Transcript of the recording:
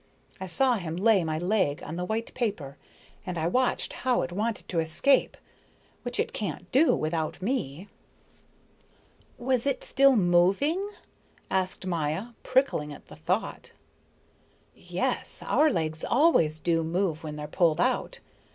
I saw him lay my leg on the white paper, and I watched how it wanted to escape which it can't do without me." "Was it still moving?" asked Maya, prickling at the thought. "Yes. Our legs always do move when they're pulled out.